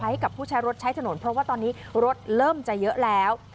ให้กับผู้ใช้รถใช้ถนนเพราะว่าตอนนี้รถเริ่มจะเยอะแล้ว